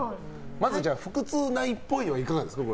まず、腹痛ないっぽいはいかがですか？